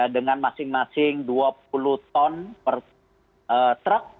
dengan masing masing dua puluh ton per truk